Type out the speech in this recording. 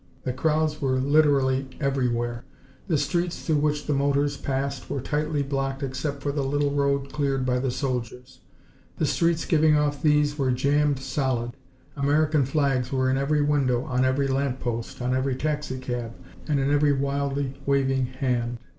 The crowds were literally everywhere. The streets through which the motors passed were tightly blocked except for the little road cleared by the soldiers. The streets giving off these were jammed solid. American flags were in every window, on every lamp post, on every taxicab, and in every wildly waving hand.